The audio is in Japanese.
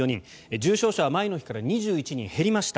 重症者は前の日から２１人減りました。